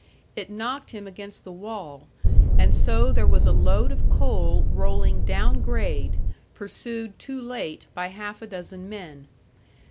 It knocked him against the wall and so there was a load of coal rolling down grade, pursued too late by half a dozen men.